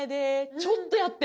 ちょっとやってんのよ。